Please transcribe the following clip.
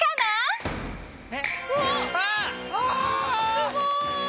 すごい！